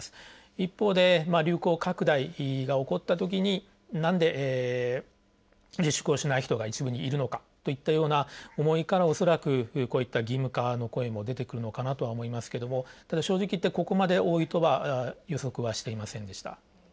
一方で、流行拡大が起こったときになんで自粛をしない人が一部にいるのかといったような思いから恐らく、こういった義務化の声も出てくるのかなとは思いますけどもただ、正直ここまで多いとは予測していませんでした。